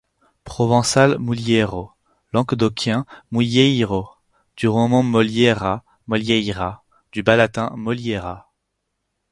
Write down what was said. Provençal Mouliero, languedocien Mouièiro, du roman moliera, molieyra, du bas latin moliera.